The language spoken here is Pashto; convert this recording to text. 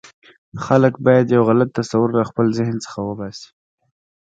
خلک باید یو غلط تصور له خپل ذهن څخه وباسي.